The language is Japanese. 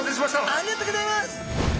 ありがとうございます。